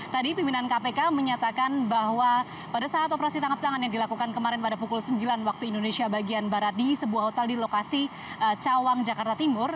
tadi pimpinan kpk menyatakan bahwa pada saat operasi tangkap tangan yang dilakukan kemarin pada pukul sembilan waktu indonesia bagian barat di sebuah hotel di lokasi cawang jakarta timur